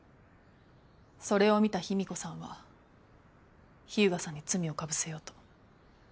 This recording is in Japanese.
それを見た秘美子さんは秘羽我さんに罪をかぶせようと。